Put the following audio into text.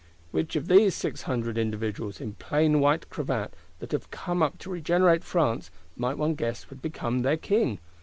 Which of these Six Hundred individuals, in plain white cravat, that have come up to regenerate France, might one guess would become their _king?